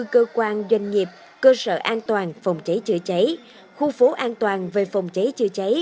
cơ quan doanh nghiệp cơ sở an toàn phòng cháy chữa cháy khu phố an toàn về phòng cháy chữa cháy